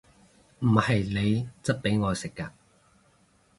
唔係你質俾我食嘅！